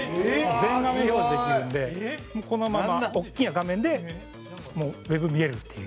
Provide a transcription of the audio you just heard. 全画面表示できるんでこのまま、大きな画面でウェブ見れるっていう。